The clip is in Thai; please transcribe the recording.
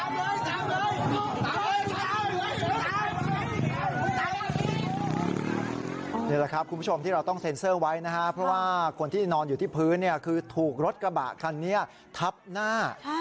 นี่แหละครับคุณผู้ชมที่เราต้องเซ็นเซอร์ไว้นะครับเพราะว่าคนที่นอนอยู่ที่พื้นเนี่ยคือถูกรถกระบะคันนี้ทับหน้า